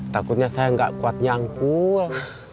takutnya saya nggak kuat nyangkul